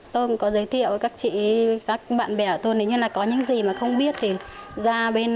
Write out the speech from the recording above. tôi cũng có giới thiệu với các bạn bè tôi nếu như có những gì mà không biết thì ra bên